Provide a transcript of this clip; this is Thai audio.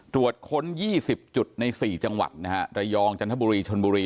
ตรวจค้น๒๐จุดใน๔จังหวัดนะฮะระยองจันทบุรีชนบุรี